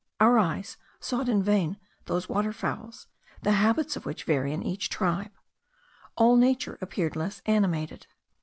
Our eyes sought in vain those waterfowls, the habits of which vary in each tribe. All nature appeared less animated.